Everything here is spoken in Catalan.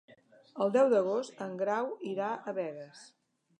El deu d'agost en Grau irà a Begues.